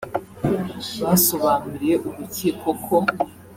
Basobanuriye urukiko ko